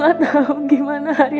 gak ada yang mau jelasin